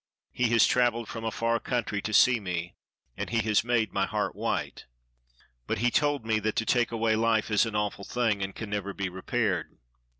He has traveled from a far country to see me, and he has made my heart white. But he tells me that to take away Hfe is an awful thing, and can never be repaired.